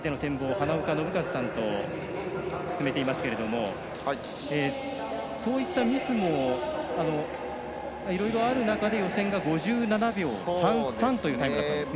花岡伸和さんと進めていますがそういったミスもいろいろある中で予選が５７秒３３というタイムだったんですね。